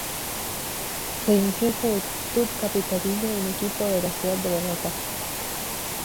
Se inició en Juventud Capitalina, un equipo de la ciudad de Bogotá.